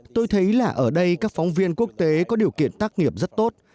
tôi thấy là ở đây các phóng viên quốc tế có điều kiện tác nghiệp rất tốt